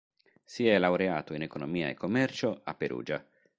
Si è laureato in Economia e Commercio a Perugia.